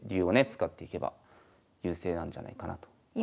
使っていけば優勢なんじゃないかなと思います。